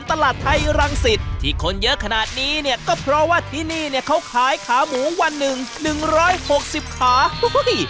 อย่างข้างหลายทีนี้เนี่ยก็เพราะว่าที่นี่เค้าขายหนึ่งขาหมู๑๖๐ขา